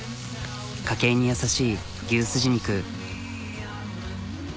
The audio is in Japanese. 家系に優しい牛すじ肉。